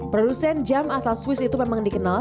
produsen jam asal swiss itu memang dikenal